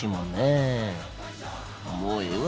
もうええわ。